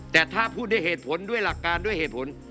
แต่ถ้าพูดด้วยเหตุผลด้วยหลักการด้วยเหตุผล